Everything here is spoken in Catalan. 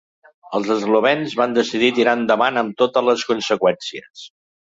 Els eslovens van decidir tirar endavant amb totes les conseqüències.